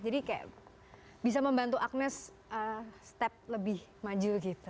jadi kayak bisa membantu agnes step lebih maju gitu